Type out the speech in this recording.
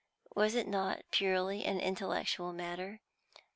Was it not purely an intellectual matter?